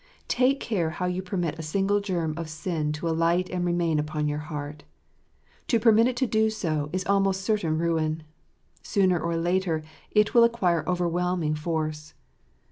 Take care how you permit a single germ of sin to alight and remain upon your heart. To permit it to do so, is almost certain ruin. Sooner or later it will acquire overwhelming force.